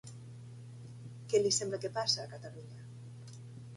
Què li sembla que passa a Catalunya?